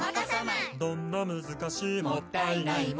「どんな難しいもったいないも」